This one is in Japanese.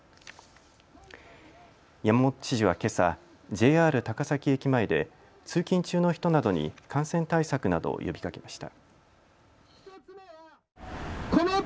山本知事はけさ、ＪＲ高崎駅前で通勤中の人などに感染対策などを呼びかけました。